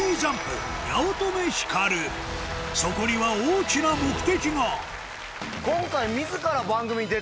そこには大きな目的が今回。